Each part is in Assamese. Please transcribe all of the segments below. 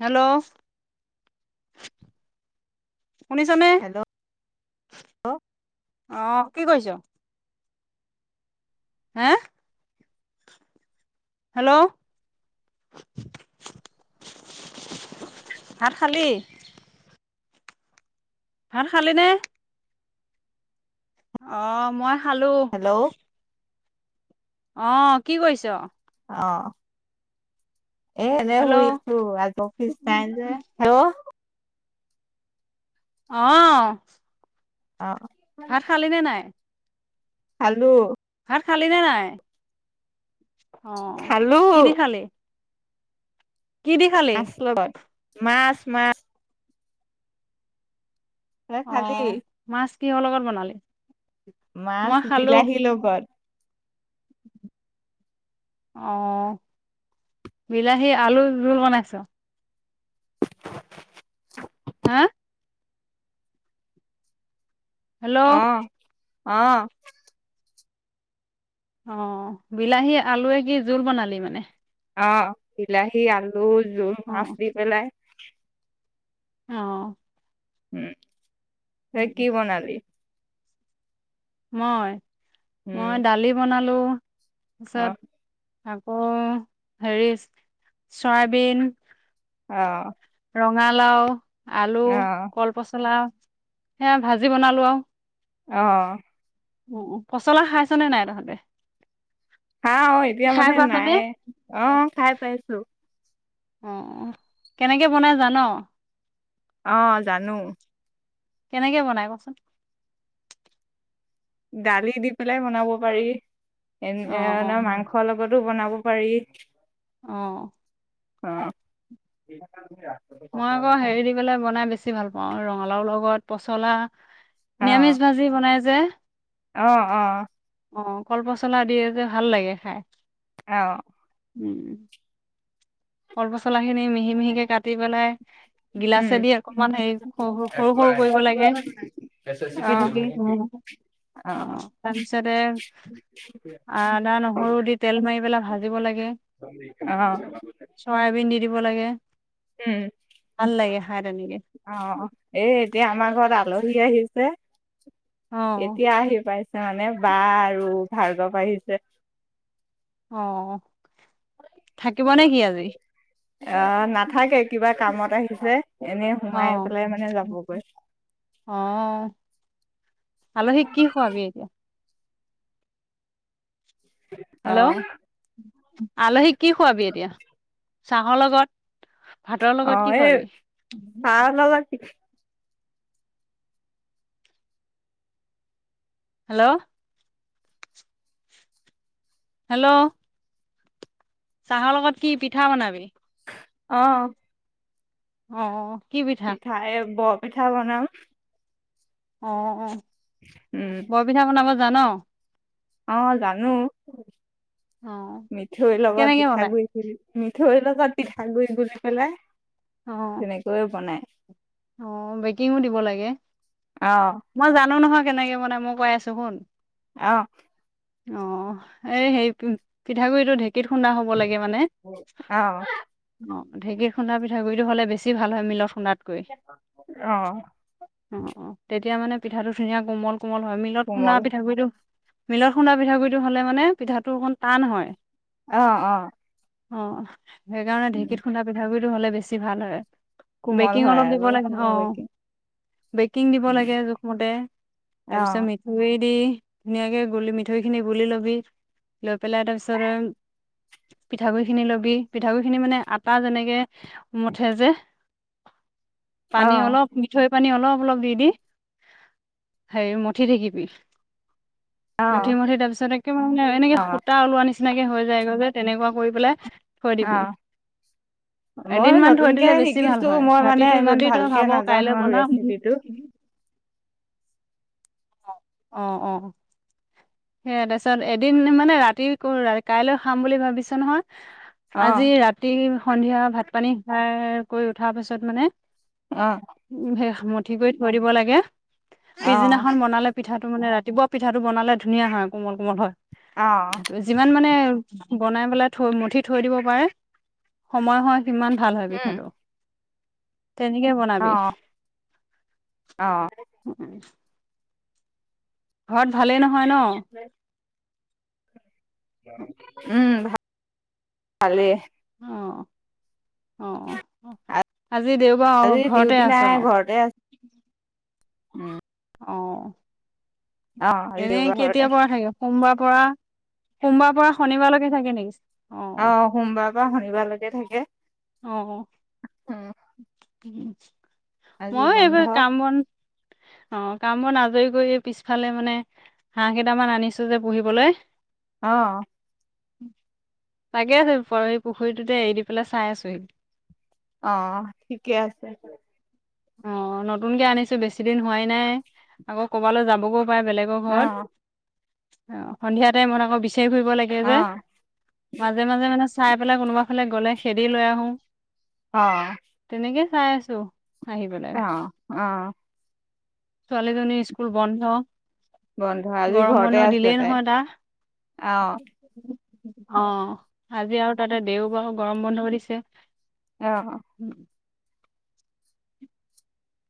হেল্ল' শুনিছেনে, হেল্ল' অহ কি কৰিছ? হা হেল্ল' ভাত খালি? ভাত খালি নে? অহ মই খালো হেল্ল' অহ কি কৰিছ? অহ এই এনেই হেল্ল' শুই আছোঁ আজি অফিচ নাই যে, হেল্ল' অহ অ ভাত খালি নে নাই? খালো ভাত খালি নে নাই? অহ খালো কি দি খালি কি দি খালি? মাছ লয় মাছ মাছ তই খালি অহ মাছ কিহৰ লগত বনালি? মাছ মই খালো। বিলাহী লগত অহ বিলাহী আলু জোল বনাইছ হা হেল্ল' অহ অহ বিলাহী আলুৱে কি জোল বনালি মানে?? অহ বিলাহী আলু জুল মাছ দি পেলাই অহ উম তই কি বনালি? মই উম মই দালি বনালো অ পিছত আকৌ হেৰি চয়াবিন অহ ৰঙালাও আলু কলপচলা সেয়া ভাজি বনালো আৰু। অ। উ পচলা খাইছনে নাই তহঁতে? হা, অ। এতিয়া খাই মানে পাইছনে? নাই। অ, খাই পাইছো। অ, কেনেকে বনাই জান'? অহ জানো। কেনেকে বনাই কচোন? দালি দি পেলাই বনাব পাৰি। এ অ অ এ মাংস লগত বনাব পাৰি অ। অ। মই আকৌ হেৰি দি পেলাই বনাই বেছি ভাল পাওঁ ৰঙালাওৰ লগত পচলা নিৰামিষ ভাজি বনাই যে। অ অ অ। কল পচলা দিয়ে যে ভাল লাগে খাই। অ। উম কল পচলা খিনি মিহি মিহিকে কাটি পেলাই উম গিলাচেদি অকমান হেৰি সৰু সৰু কৰিব লাগে অ টুকি টুকি। অ অহ। তাৰ পিছতে আদা, নহৰু দি তেল মাৰি পেলাই ভাজিব লাগে। অ চয়াবিন দি দিব লাগে। উম। ভাল লাগে খাই তেনেকে অ, এই এতিয়া আমাৰ ঘৰত আলহী ঘুৰি আহিছে অ এতিয়া আহি পাইছে। মানে বা আৰু ভাৰ্গৱ আহিছে। অ থাকিব নে কি আজি আ নাথাকে কিবা কামত আহিছে। এনে অ সোমাই পেলাই মানে যাবগৈ। অ আলহীক কি খোৱাবি এতিয়া? অ। হেল্ল' আলহীক কি খুৱাবি এতিয়া? চাহৰ লগত ভাতৰ অ, লগত কি এই খোৱাবি চাহ না হেল্ল' হেল্ল' চাহৰ লগত কি পিঠা বনাবি? অ অ কি পিঠা পিঠাই ব পিঠা বনাম অ অ উম বৰ পিঠা বনাব জান অ জানো মিঠৈ লগত কেনেকে পিঠাগ বনাই গুৰি মঠৈ পিঠা গুৰি গুলি পেলাই। অ তেনেকৈয়ে বনাই। অ বেকিং দিব লাগে আহ মই জানো নহয় কেনেকে মানাই মই কৈ আছো শুন অ অ এই হেই পিঠাগুৰিটো ঢেক কি খুন্দা হ'ব লাগে মানে আহ অ ঢেঁকী খুন্দা পিঠাগুৰিটো হলে বেছি ভাল হয় মিলত খুন্দা কৈ অ এতিয়া মানে পিঠাটো ধুনীয়া কোমল কোমল হয় মিলত খুন্দা কোমল পিঠা গুৰিটো মিলত খুন্দা পিঠাগু়ৰিটো হ'লে মানে পিঠাটো অকণ টান হয় অ অ অ সেইকাৰণে ঢেঁকীত খুন্দা পিঠা গুড়ি টো হ'লে বেছি ভাল হয় কোমল বেকিং হয় অলপ অ আৰু দিব বেকিং দিব লাগে জোখমতে তাৰপিছত আহ মিঠৈ দি ধুনীয়াকে গুলি মিঠৈ খিনি গুলি ল'বি লৈ পেলাই তাৰ পিছত পিঠাগুৰি খিনি লবি পিঠাগুৰি খিনি মানে আটা যেনেকে মঠে যে পানী আহ অলপ মিঠৈ পানী অলপ অলপ দি দি হেৰি মঠি থাকিবি আহ মঠি মঠি তাৰপিছত একে মানে এনেকে আহ সুতা ওলোৱা নিছিনা নিচিনাকে হৈ যায়গৈ যে তেনেকুৱা কৰি পেলাই থৈ অ দিবি এদিন মই মান থৈ দিলে নতুনকেহে বেছি ভাল শিকিছো হয় মই মানে মানে ৰাতিটো ইমান যদি তই ভালকে ভাব কাইলৈ নাজানো আৰু বনাম ৰেচিপি টো অ অ সেয়ে তাৰপিছত এদিন মানে ৰাতি কাইলৈ খাম বুলি ভাবিছ নহয় অ আজি ৰাতি সন্ধিয়া ভাত পানী খাই কৰি উঠাৰ পাছত মানে অ উম হে মঠি কৰি থৈ দিব লাগে অ পিছদিনাখন বনালে পিঠাটো মানে ৰাতিপুৱা পিঠাটো বনালে ধুনীয়া হয় কোমল কোমল অ হয় যিমান মানে বনাই পেলাই থৈ মঠি থৈ দিব পাৰে সময় হয় সিমান ভাল হয় উম পিঠাটো তেনেকে বনাবি অ অ ঘৰত ভালে নহয় ন [unintelligible] অ অ আজি আজি দেওবাৰ ঘৰতে ডিউটি আছো নাই ঘৰতে আছো আৰু উম অঁ অ আজি এনে দেওবাৰ ঘৰতে কেতিয়াৰ পৰা থাকে সোমবাৰ পৰা সোমবাৰ পৰা শনিবাৰলৈকে থাকে নেকি অ সোমবাৰ পা শনিবাৰলৈকে থাকে অঁ উম আজি মই বন্ধ। এইবোৰ কাম বন অ কামবন আজৰি কৰিয় পিছফালে মানে হাঁহ কেইটামান আনিছো যে পুহিবলৈ অ তাকে আছে পৰহি পুখুৰীটোতে এৰি দি পেলাই চাই আছোহি অ ঠিকে আছে অ নতুনকে আনিছো বেছি দিন হোৱাই নাই আকৌ ক'বালৈ যাবগৈ পাই বেলেগৰ ঘৰত অ', অ সন্ধিয়াতে মন আকৌ বিশ ৰি ফুৰিব লাগে যে অ', মাজে মাজে মানে চাই পেলাই কোনোবা ফালে গলে খেদি লৈ আহো তেনেকে চাই আছো আহি পেলাই আহ আহ ছোৱালীজনীৰ স্কুল বন্ধ বন্ধ আজি গৰম ঘৰতে বন্ধ আছে দিলেই তাই। নহয় তা অ আজি আৰু তাতে দেও বাহু গৰম বন্ধ কৰি দিছে অঁ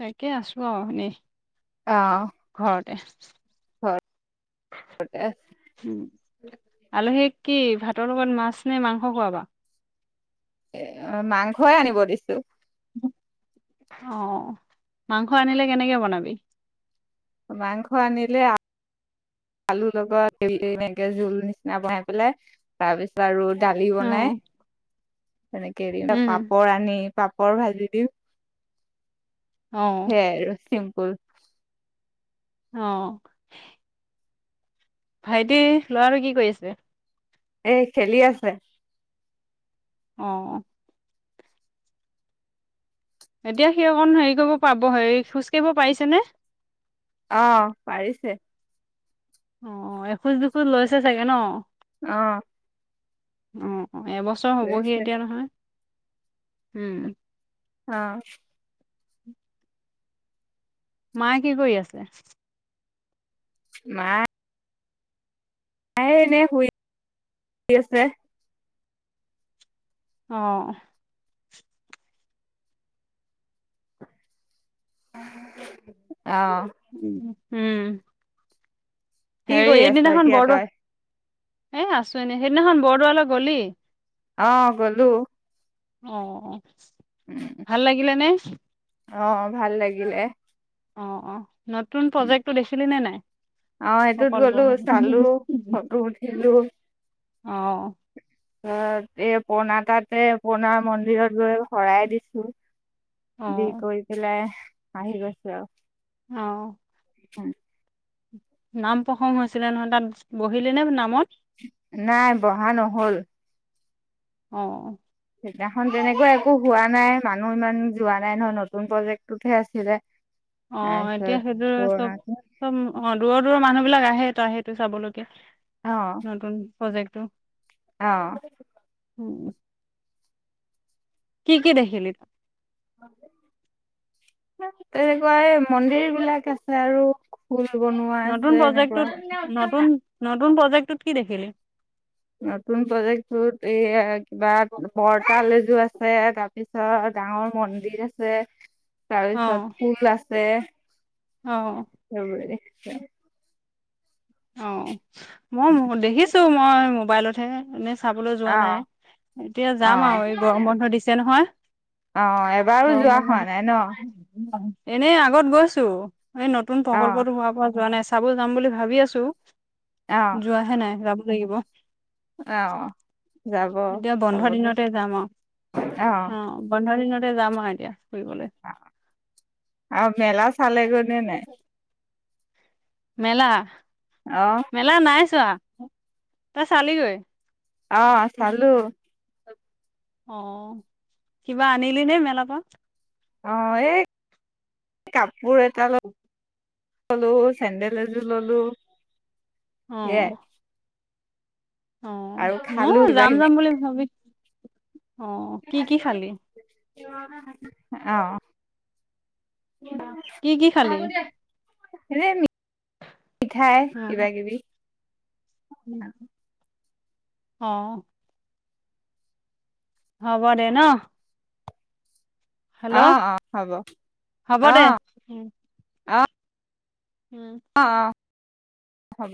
তাকে আছো আৰু এনেই অ', ঘৰতে ঘৰতে আছে। [inaudible] উম আলহী কি ভাতৰ লগত মাছ নে মাংস খোৱা বা এ মাংসই আনিব দিছো অ মাংস আনিলে কেনেকে বনাবি মাংস আনিলে আলুৰ লগত এনেকে জোল নিচিনা বনাই পেলাই তাৰ পিছত আৰু দালি বনাই অ', তেনেকে হেৰি এটা উম, পাপৰ আনি পাপৰ ভাজি দি অ', সেইয়াই আৰু [inaudible] অ ভাইটি লৰাটো কি কৰি আছে এ খেলি আছে অ এতিয়া সি অকণ হেৰি কৰিব পাব হেৰি খোজকাাঢ়িব পাৰিছেনে অ পাৰিছে অ এখোজ দুখোজ লৈছে চাগে ন অঁ উম অ এবছৰ হ'বহি এতিয়া নহয় হম অঁ মায়ে কি কৰি আছে মা এাই এনে শুই শ আছে অঁ [inaudible] উম উম কি হেৰি কৰি আছ এইদিনাখন এতিয়া বৰ তই এ আছো এনে সেইদিনাখন বৰদোৱালৈ গলি অ গ'লো অ উম ভাল লাগিলে নে অ ভাল লাগিলে। অ, অ। নতুন প্ৰজেক্টটো দেখিলি নে নাই? অ সেইটোত প্ৰকল্প। গলো চালো ফটো উঠিলো অঅ। ত এই পূৰ্ণা তাতে পূৰ্ণা মন্দিৰত গৈ শৰাই দিছো। দি অ', কৰি পেলাই আহি গৈছোঁ। অ। নাম প্ৰসং হৈছিলে নহয় তাত, বহিলি নে নামত? নাই বহা নহল। অ। সেইদিনাখন তেনেকুৱা একো হোৱা নাই। মানুহ ইমান যোৱা নাই নহয়, নতুন প্ৰজেক্টতহে আছিলে। অ, এতিয়া তাৰপিছত সেইটোৰে পুৰণাটো চব-চব অ দূৰত দূৰ মানুহবিলাক আহে তো সেইটো চাবলৈ। অ নতুন প্ৰজেক্টো। অ। উ কি-কি দেখিলি? তেনেকুৱাই মন্দিৰ বিলাক আছে আৰু খ নতুন প্ৰজেক্টৰ নতুন তুন প্ৰজেকটত কি দেখিলি? নতুন প্ৰজেক্টটোত এইয়া কিবা বৰ তাল এযোৰ আছে। আছে তাৰপিছত গাৱৰ মন্দিৰ আছে। অ তাৰপিছত ফুল আছ যে অ হব দে। [inaudible] অ। মই দেখিছো মই মোবাইলত [unintelligible] চাবলৈ যোৱা নাই। এতিয়া যাম আৰু অ', এই গৰম বন্ধ দিছে নহয়। অ', এবাৰো গৰম যোৱা বন্ধ হোৱা দিছে নাই ন এনেই আগত গৈছো। এই নতুন অ', প্ৰকল্পতো হোৱা পৰা যোৱা নাছিল চাব যাম বুলি ভাবি আছো। [unintelligible] অ', যোৱাহে নাই ৰা লাগিব। অ', যাব এতিয়া বন্ধ চাবলে দিনতে যাম আৰু অহ ', বন্ধ দিনত। ত যাম মই এতিয়া। ফুৰিবলৈ আৰু মেলা চাল গৈনে নাই। মেলা? অ', মেলা নাই চোৱা। তই চালিগৈ। অহ ', চালু অহ ', কিবা আনিলি নে মেলাপৰা। অহ ', এই কাম মোৰ এটাল ললো চেণ্ডেল এযোৰ ললো। অহ ', সেয়াই অহ আৰু ', ম খালো কিবা যাম- কিবি যাম বুলি ভাবি অহ ', কি- কি খালি? অহ ', [unintelligible] কি কি খালি চাক দিয়া হেৰি পিঠাই কিবা কিবি। উম', অহ ', হব দে ন। হেল্ল' অহ', - অহ ', হ'ব অহ হ'ব দে ', উম - অহ ', উম', হব।